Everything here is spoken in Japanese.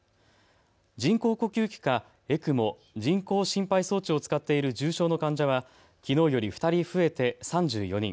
人工呼吸器かＥＣＭＯ・人工心肺装置を使っている重症の患者はきのうより２人増えて３４人。